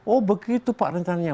oh begitu pak renta ranya